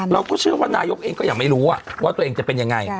เราก็เชื่อว่านายกเองก็ยังไม่รู้ว่าตัวเองจะเป็นยังไง